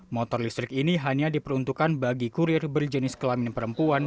motor listrik ini hanya diperuntukkan bagi kurir berjenis kelamin perempuan